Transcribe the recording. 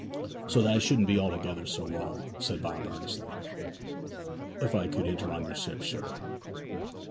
So that I shouldn't be altogether so raw,' said Bob earnestly, 'if I could enter on your ship, sir.